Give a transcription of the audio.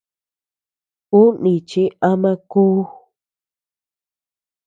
Ú níchi ama kú.